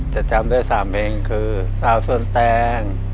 แต่จำได้สามเพลงคือ